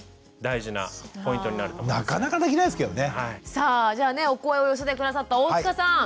さあじゃあねお声を寄せて下さった大塚さん。